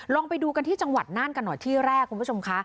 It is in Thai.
ลองไปดูกันที่จังหวัดน่านกันหน่อยที่แรกคุณผู้ชมค่ะ